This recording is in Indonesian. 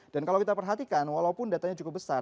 dan kalau kita perhatikan walaupun datanya cukup besar